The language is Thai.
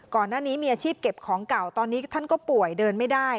ก่อนหน้านี้มีอาชีพเก็บของเก่าตอนนี้ท่านก็ป่วยเดินไม่ได้